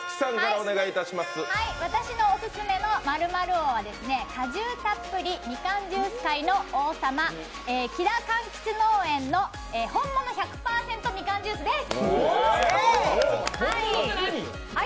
私のオススメの○○王は果汁たっぷりみかんジュース界の王様木田柑橘農園の本物の１００％みかんジュースです。